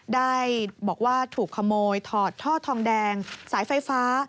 ได้บอกว่าถูกขโมยถอดท่อทองแดงสายไฟฟ้า